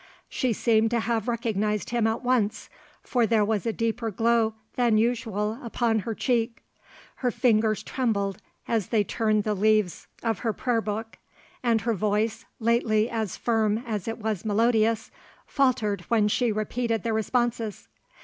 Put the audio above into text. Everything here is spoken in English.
She seemed to have recognised him at once, for there was a deeper glow than usual upon her cheek, her fingers trembled as they turned the leaves of her prayerbook, and her voice, lately as firm as it was melodious, faltered when she repeated the responses.